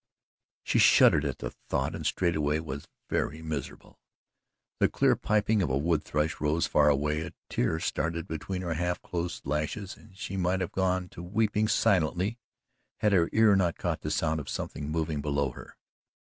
She shuddered at the thought and straightway was very miserable. The clear piping of a wood thrush rose far away, a tear started between her half closed lashes and she might have gone to weeping silently, had her ear not caught the sound of something moving below her.